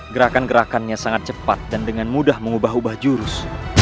gerakan gerakannya sangat cepat dan dengan mudah mengubah ubah jurus